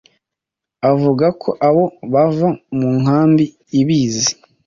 Avuga ko abo bava mu nkambi ibizi,